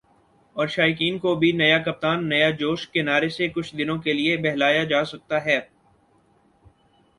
اور شائقین کو بھی "نیا کپتان ، نیا جوش" کے نعرے سے کچھ دنوں کے لیے بہلایا جاسکتا ہے